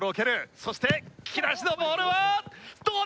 そして木梨のボールはどうだ？